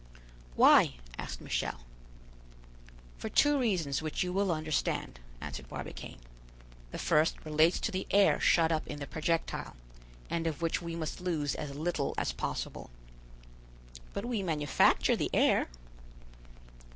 "Why?" asked Michel. "For two reasons which you will understand," answered Barbicane. "The first relates to the air shut up in the projectile, and of which we must lose as little as possible." "But we manufacture the air?"